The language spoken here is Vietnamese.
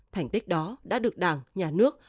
thảnh tích đó đã được đảng nhà nước